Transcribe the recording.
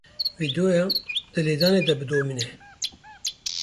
Vîdeoyan di lêdanê de bidomîne.